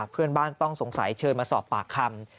เพื่อนบ้านต้องสงสัยเชิญมาสอบปากคำ